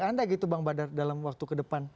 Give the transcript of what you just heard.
anda gitu bang badar dalam waktu kedepan